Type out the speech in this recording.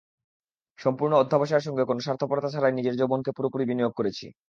সম্পূর্ণ অধ্যবসায় সঙ্গে কোনো স্বার্থপরতা ছাড়াই নিজের যৌবনকে পুরোপুরি বিনিয়োগ করেছি।